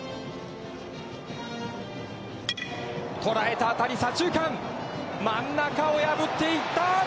捉えた当たり左中間、真ん中を破っていった。